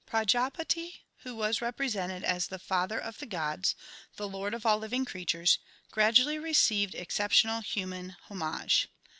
Pra japati, who was represented as the father of the gods, the lord of all living creatures, gradually received excep tional human homage.